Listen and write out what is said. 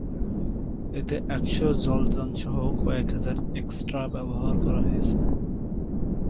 এতে একশো জলযান সহ কয়েক হাজার এক্সট্রা ব্যবহার করা হয়েছে।